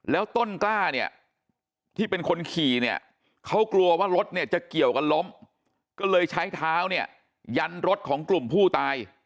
แล้วต้นกล้าเนี่ยที่เป็นคนขี่เนี่ยเขากลัวว่ารถเนี่ยจะเกี่ยวกันล้มก็เลยใช้เท้าเนี่ยยันรถของกลุ่มผู้ตาย